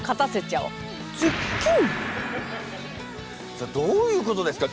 さあどういうことですか？